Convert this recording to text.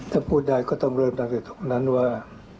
ถ้าพูดได้ก็ต้องเริ่มตั้งแต่ตรงนั้นว่า